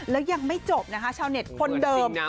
แล้วยังไม่จบนะคะชาวเน็ตคนเดิม